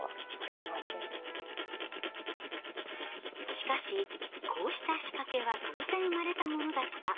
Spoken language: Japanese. しかし「こうした仕掛けは偶然生まれたものだった」。